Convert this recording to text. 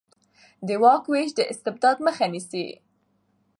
د واک وېش د استبداد مخه نیسي